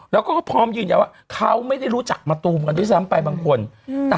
แล้วก็พร้อมยืนยันว่าเขาไม่ได้รู้จักมะตูมกันด้วยซ้ำไปบางคน